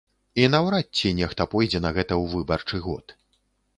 І наўрад ці нехта пойдзе на гэта ў выбарчы год.